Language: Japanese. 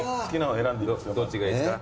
どっちがいいですか？